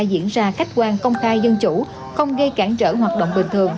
diễn ra khách quan công khai dân chủ không gây cản trở hoạt động bình thường